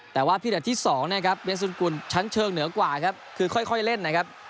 แต่ว่าพิดัดที่๒นะครับเวียสุนกุลชั้นเชิงเหนือกว่าครับคือค่อยเล่นนะครับ